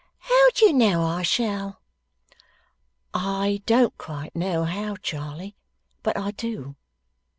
'How do you know I shall?' 'I don't quite know how, Charley, but I do.